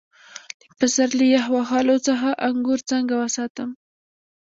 د پسرلي یخ وهلو څخه انګور څنګه وساتم؟